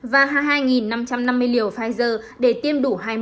và hai mươi hai năm trăm năm mươi liều pfizer để tiêm đủ hai mũi cho trẻ em